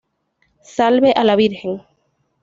Salve a la Virgen.